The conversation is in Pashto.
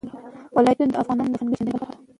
ولایتونه د افغانانو د فرهنګي پیژندنې برخه ده.